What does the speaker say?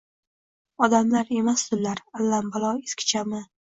Odamlar emasdi ular, allambalo eskichami